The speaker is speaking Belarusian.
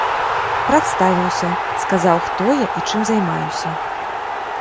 Прадставіўся, сказаў, хто я і чым займаюся.